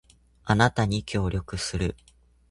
あなたに協力する